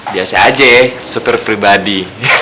biasa aja ya supir pribadi